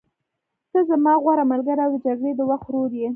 ته زما غوره ملګری او د جګړې د وخت ورور یې.